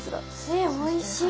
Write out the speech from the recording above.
えっおいしい。